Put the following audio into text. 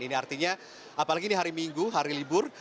ini artinya apalagi ini hari minggu hari libur